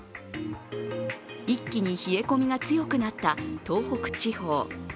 一気に冷え込みが強くなった東北地方。